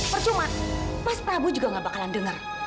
percuma mas prabu juga gak bakalan dengar